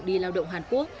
đi lao động hàn quốc